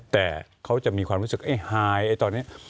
แต่เขาจะมีความรู้สึกไอ้หายตอนนี้